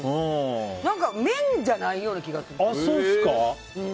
麺じゃないような気がする。